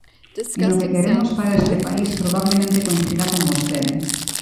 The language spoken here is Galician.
E no que queremos para este país probablemente coincida con vostede.